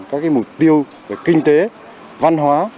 các mục tiêu kinh tế văn hóa